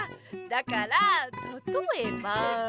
だからたとえば。